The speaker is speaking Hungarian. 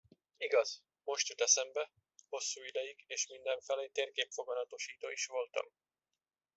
Igaz, most jut eszembe, hosszú ideig és mindenfelé térképfoganatosító is voltam.